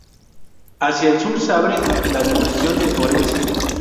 Hacia el sur se abre a la depresión de Orense.